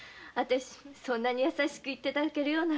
そんなに優しく言って頂けるような。